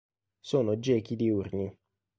Sono gechi diurni.